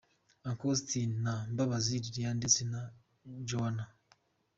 Uncle Austin na Mbabazi Liliane ndetse na Joanah.